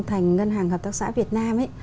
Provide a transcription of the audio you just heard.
thành ngân hàng hợp tác xã việt nam